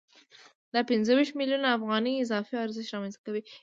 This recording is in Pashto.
دا پنځه ویشت میلیونه افغانۍ اضافي ارزښت رامنځته کوي